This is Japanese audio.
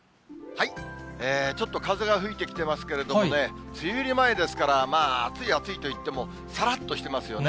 ちょっと風が吹いてきてますけれどもね、梅雨入り前ですから、暑い暑いといっても、さらっとしてますよね。